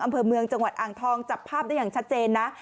อำเภอเมืองจังหวัดอ่างทองจับภาพได้อย่างชัดเจนนะ